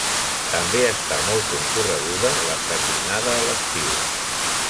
També està molt concorreguda la sardinada a l'estiu.